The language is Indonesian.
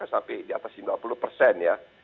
sampai di atas sembilan puluh persen ya